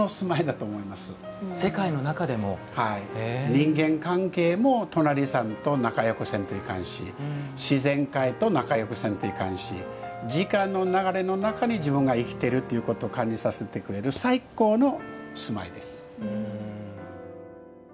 人間関係も隣さんと仲よくせんといかんし自然界と仲よくせんといかんし時間の流れの中に自分が生きてるということを感じさせてくれる最高の住まいです。